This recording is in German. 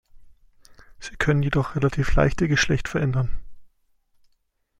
Sie können jedoch relativ leicht ihr Geschlecht verändern.